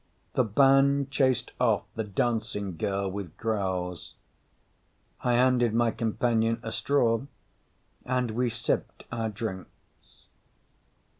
The band chased off the dancing girl with growls. I handed my companion a straw and we sipped our drinks.